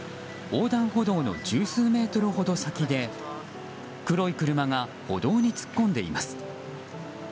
横断歩道の十数メートルほど先で黒い車が歩道に突っ込んでいます。